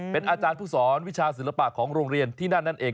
เป็นอาจารย์ผู้สอนวิชาศิลปะของโรงเรียนที่นั่นนั่นเอง